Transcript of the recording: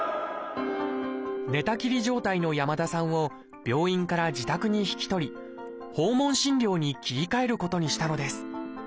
寝たきり状態の山田さんを病院から自宅に引き取り訪問診療に切り替えることにしたのです。